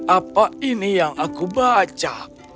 apa ini yang aku baca